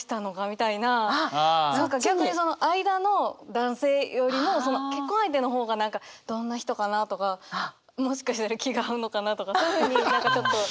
逆にその間の男性よりも結婚相手の方が何かどんな人かなとかもしかしたら気が合うのかなとかそういうふうに何かちょっと。